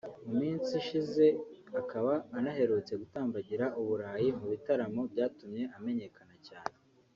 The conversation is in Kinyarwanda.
mu minsi ishize akaba anaherutse gutambagira u Burayi mu bitaramo byatumye amenyekana cyane